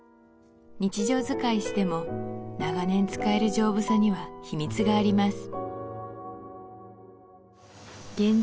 日常使いしても長年使える丈夫さには秘密があります